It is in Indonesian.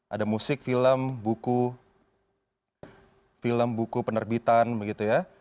ada musik film buku film buku penerbitan begitu ya